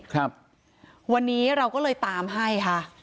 ครับวันนี้เราก็เลยตามให้ค่ะ